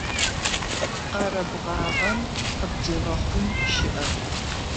Къэрэбгъагъэм къыбдигъэхъун щыӏэп.